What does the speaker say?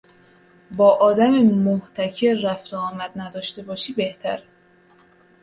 با آدم محتکر رفت و آمد نداشته باشی بهتره